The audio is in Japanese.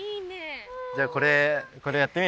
じゃあこれこれやってみる？